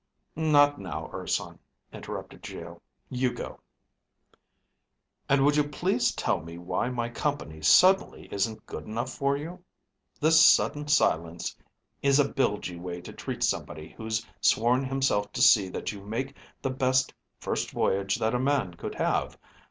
"Not now, Urson," interrupted Geo. "You go." "And would you please tell me why my company suddenly isn't good enough for you. This sudden silence is a bilgy way to treat somebody who's sworn himself to see that you make the best first voyage that a man could have.